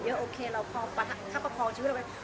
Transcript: โอเคเราพอประคับประคองชีวิตเราไป